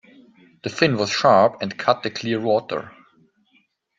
The fin was sharp and cut the clear water.